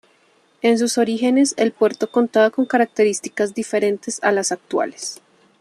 En sus orígenes, el puerto contaba con características diferentes a las actuales.